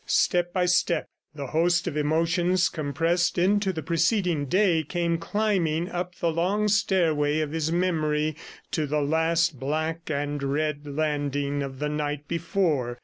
Step by step, the host of emotions compressed into the preceding day, came climbing up the long stairway of his memory to the last black and red landing of the night before.